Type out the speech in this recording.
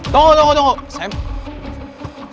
tunggu tunggu tunggu